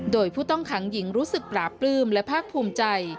โดยผู้ต้องขังหญิงรู้สึกปราบปลื้มและภาคภูมิใจ